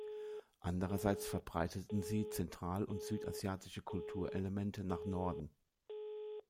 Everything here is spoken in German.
Andererseits verbreiteten sie zentral- und südasiatische Kulturelemente nach Norden.